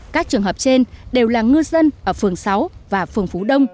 các trường hợp trên đều là ngư dân ở phường sáu và phường phú đông